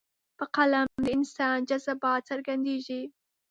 په قلم د انسان جذبات څرګندېږي.